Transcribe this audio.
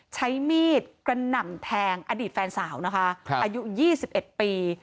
ใช้มีดกระหน่ำแทงอดีตแฟนสาวนะคะอายุ๒๑ปี